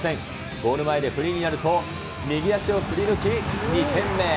ゴール前でフリーになると、右足を振り抜き２点目。